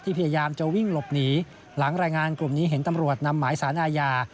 พยายามจะวิ่งหลบหนีหลังแรงงานกลุ่มนี้เห็นตำรวจนำหมายสารอาญา